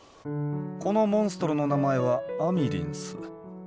このモンストロの名前は「アミリンス」。